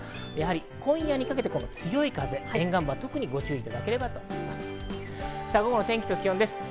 今夜にかけて強い風、沿岸部は特にご注意いただければと思います。